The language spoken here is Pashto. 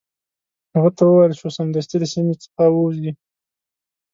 هغه ته وویل شو سمدستي له سیمي څخه ووزي.